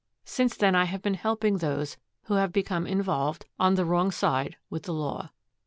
Since then I have been helping those who have become involved, on the wrong side, with the law.